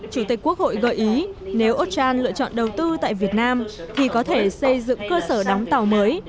chủ tịch quốc hội gợi ý nếu australia lựa chọn đầu tư tại việt nam thì có thể xây dựng cơ sở đóng tàu mới